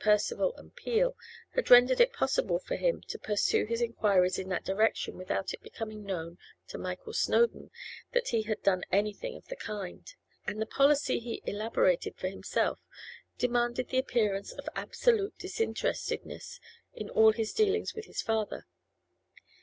Percival and Peel had rendered it possible for him to pursue his inquiries in that direction without it becoming known to Michael Snowdon that he had done anything of the kind; and the policy he elaborated for himself demanded the appearance of absolute disinterestedness in all his dealings with his father.